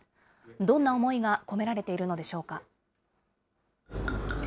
どんな思いが込められているのでしょうか。